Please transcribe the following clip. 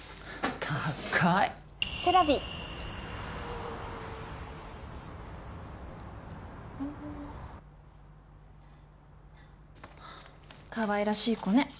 高いセラヴィうんかわいらしい子ね